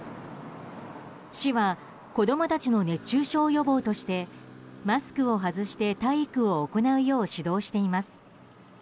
市は子供たちの熱中症予防としてマスクを外して体育を行うよう指導しています。